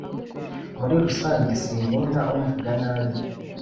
muri rusange, sinkunda umvuga nabi